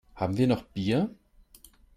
Haben wir noch Bier?